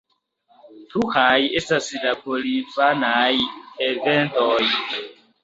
Pluraj estas la porinfanaj eventoj.